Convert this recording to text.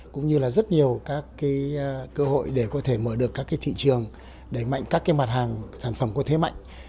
cũng như là rất nhiều các cơ hội để có thể mở được các thị trường đẩy mạnh các cái mặt hàng sản phẩm có thế mạnh